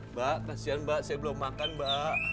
mbak kasihan mbak saya belum makan mbak